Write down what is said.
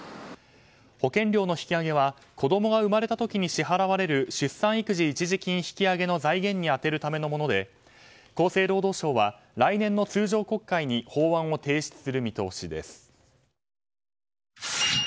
保険料の引き上げは子供が生まれた時に支払われる出産育児一時金の財源に充てるためのもので厚生労働省は来年の通常国会に法案を提出する見通しです。